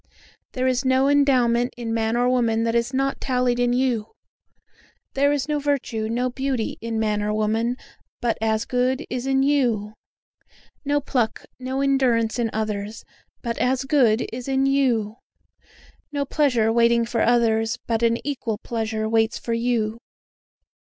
There is no endowment in man or woman that is not tallied in you; There is no virtue, no beauty, in man or woman, but as good is in you; No pluck, no endurance in others, but as good is in you; No pleasure waiting for others, but an equal pleasure waits for you.